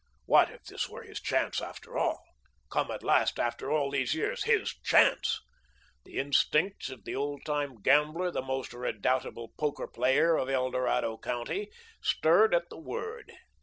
What if this were his chance, after all, come at last after all these years. His chance! The instincts of the old time gambler, the most redoubtable poker player of El Dorado County, stirred at the word.